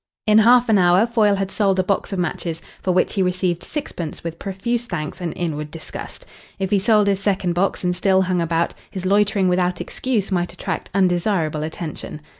In half an hour Foyle had sold a box of matches, for which he received sixpence with profuse thanks and inward disgust. If he sold his second box and still hung about, his loitering without excuse might attract undesirable attention.